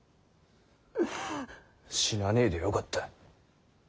死なねぇでよかった。